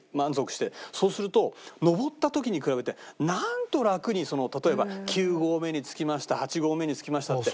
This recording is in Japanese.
そうすると登った時に比べてなんと楽に例えば９合目に着きました８合目に着きましたって。